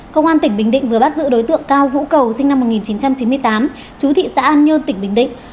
công an tỉnh bình định vừa bắt giữ đối tượng cao vũ cầu sinh năm một nghìn chín trăm chín mươi tám chú thị xã an nhơn tỉnh bình định